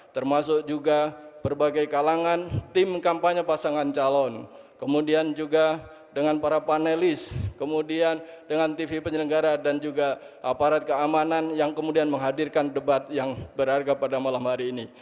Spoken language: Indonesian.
termasuk juga berbagai kalangan tim kampanye pasangan calon kemudian juga dengan para panelis kemudian dengan tv penyelenggara dan juga aparat keamanan yang kemudian menghadirkan debat yang berharga pada malam hari ini